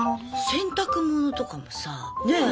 洗濯物とかもさあねえ。